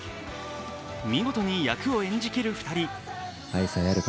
見事に役を演じきる２人。